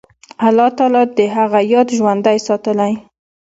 الله تعالی د هغه یاد ژوندی ساتلی.